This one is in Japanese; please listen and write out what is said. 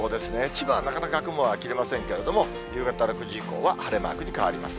千葉はなかなか雲が切れませんけれども、夕方６時以降は晴れマークに変わります。